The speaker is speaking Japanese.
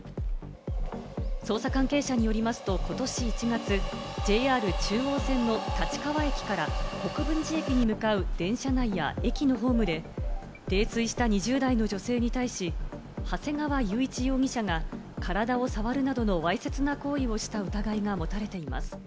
捜査関係者によりますと、ことし１月、ＪＲ中央線の立川駅から国分寺駅に向かう電車内や駅のホームで、泥酔した２０代の女性に対し、長谷川裕一容疑者が体を触るなどのわいせつな行為をした疑いが持たれています。